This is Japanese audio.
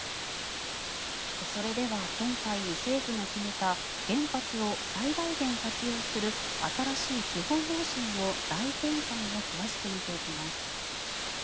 それでは今回、政府が決めた原発を最大限活用する新しい基本方針の大転換を詳しく見ていきます。